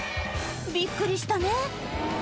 びっくりしたね